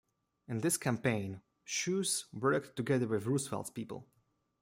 In this campaign Shouse worked together with Roosevelt's people.